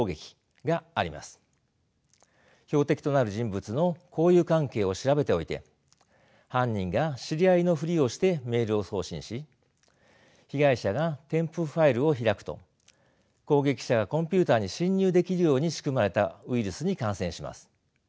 標的となる人物の交友関係を調べておいて犯人が知り合いのふりをしてメールを送信し被害者が添付ファイルを開くと攻撃者がコンピューターに侵入できるように仕組まれたウイルスに感染します。